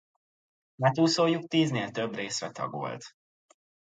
Hátúszójuk tíznél több részre tagolt.